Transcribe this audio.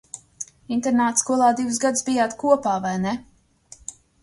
Internātskolā divus gadus bijāt kopā, vai ne?